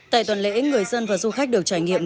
tại tuần lễ người dân và du khách được trải nghiệm